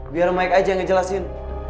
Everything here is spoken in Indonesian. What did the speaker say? biar mike aja ngejelasin